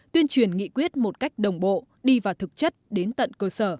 tuyên truyền nghị quyết một cách đồng bộ đi vào thực chất đến tận cơ sở